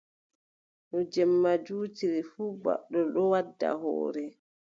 No jemma juutiri fuu, baɓɓol ɗon wadda hoore.